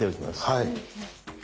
はい。